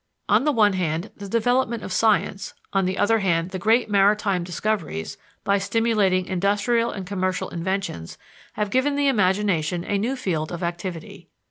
On the one hand the development of science, on the other hand the great maritime discoveries, by stimulating industrial and commercial inventions, have given the imagination a new field of activity.